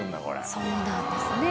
そうなんですね